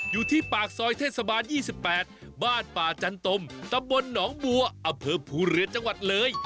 อยู่ที่ปากซอยเทศบาล๒๘บ้านป่าจันตมตำบลหนองบัวอำเภอภูเรือจังหวัดเลย